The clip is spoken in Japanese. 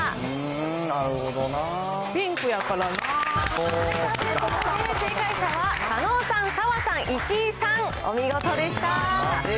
なるほどなー。ということで、正解者は狩野さん、澤さん、石井さん、お見事でした。